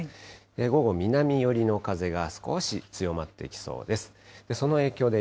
午後、南寄りの風が少し強まってきそうです。